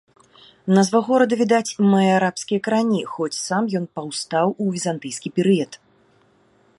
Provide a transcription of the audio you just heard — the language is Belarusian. Назва горада, відаць, мае арабскія карані, хоць сам ён паўстаў у візантыйскі перыяд.